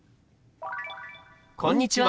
「こんにちは」。